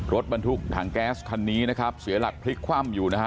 รถบรรทุกถังแก๊สคันนี้นะครับเสียหลักพลิกคว่ำอยู่นะฮะ